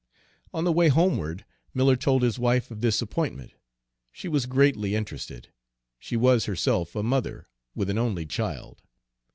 On the way homeward Miller told his wife of this appointment. She was greatly interested; she was herself a mother, with an only child.